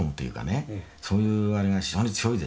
そういうあれが非常に強いですからね。